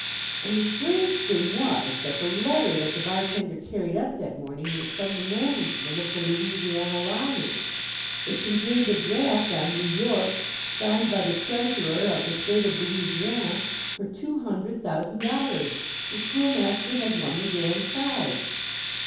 And the strange thing was that the letter that the bartender carried up that morning was from the management of the Louisiana Lottery. It contained a draft on New York, signed by the treasurer of the State of Louisiana, for two hundred thousand dollars. The schoolmaster had won the Grand Prize.